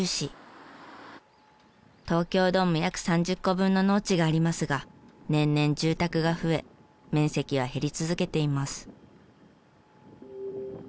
東京ドーム約３０個分の農地がありますが年々住宅が増え面積は減り続けています。